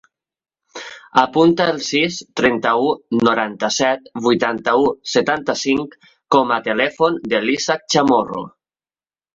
Apunta el sis, trenta-u, noranta-set, vuitanta-u, setanta-cinc com a telèfon de l'Ishak Chamorro.